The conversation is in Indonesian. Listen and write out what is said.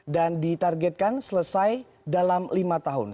dan ditargetkan selesai dalam lima tahun